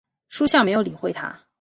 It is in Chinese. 叔向没有理会他。